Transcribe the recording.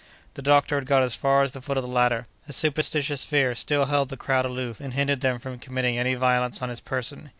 The doctor had got as far as the foot of the ladder. A superstitious fear still held the crowd aloof and hindered them from committing any violence on his person.